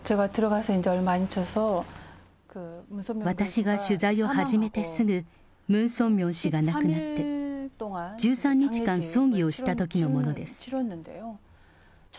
私が取材を始めてすぐ、ムン・ソンミョン氏が亡くなって、１３日間葬儀をしたときのものです。